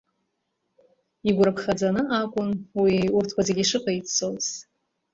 Игәарԥхаӡаны акәын уи урҭқәа зегьы шыҟаиҵоз.